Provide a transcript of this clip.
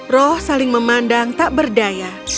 roh saling memandang tak berdaya